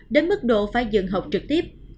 đến mức độ phải dừng học trực tiếp